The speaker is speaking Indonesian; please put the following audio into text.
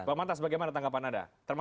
oke pak mantas bagaimana tanggapan anda